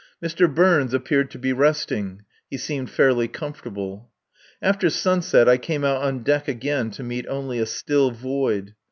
Mr. Burns appeared to be resting. He seemed fairly comfortable. After sunset I came out on deck again to meet only a still void.